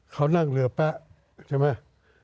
เขานั่งเรือแป๊ะใช่ไหม